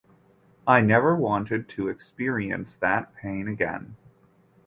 I never wanted to experience that pain again.